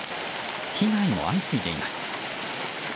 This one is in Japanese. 被害も相次いでいます。